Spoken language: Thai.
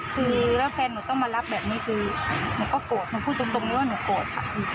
คือแล้วแฟนหนูต้องมารับแบบนี้คือหนูก็โกรธหนูพูดตรงเลยว่าหนูโกรธค่ะ